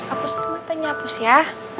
apus matanya apus ya